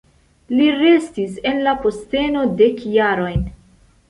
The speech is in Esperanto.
Li restis en la posteno dek jarojn.